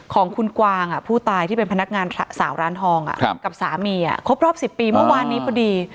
ของคุณกวางผู้ตายที่เป็นพนักงานสาวร้านทองกับสามีครบรอบ๑๐ปีเมื่อวานนี้พอดี